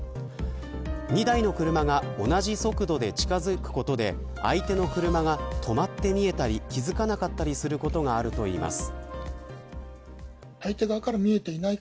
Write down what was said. ２台の車が同じ速度で近づくことで相手の車が止まって見えたり気付かなかったりすることがあるといいます。